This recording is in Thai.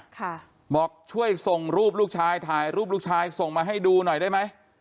ค่ะบอกช่วยส่งรูปลูกชายถ่ายรูปลูกชายส่งมาให้ดูหน่อยได้ไหม